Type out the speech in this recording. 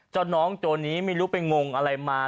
เจ้าน้องตัวนี้ไม่รู้ไปงงอะไรมา